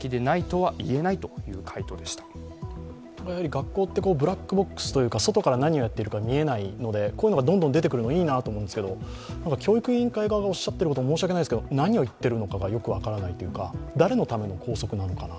学校ってブラックボックスというか外から何をやっているか見えないので、こういうのがどんどん出てくるのはいいなと思うんですけど教育委員会側がおっしゃってること、何を言っているのかよく分からないというか、誰のための校則なのかな、